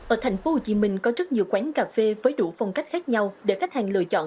ở thành phố hồ chí minh có rất nhiều quán cà phê với đủ phong cách khác nhau để khách hàng lựa chọn